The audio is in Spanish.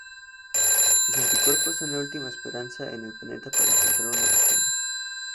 Sus anticuerpos son la última esperanza en el planeta para encontrar una vacuna.